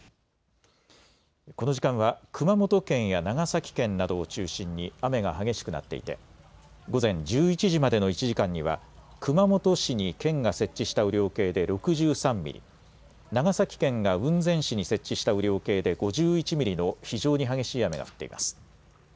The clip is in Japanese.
この時間は熊本県や長崎県などを中心に雨が激しくなっていて午前１１時までの１時間には熊本市に県が設置した雨量計で６３ミリ、長崎県が雲仙市に設置した雨量計で５１ミリの非常に激しい雨が降っています。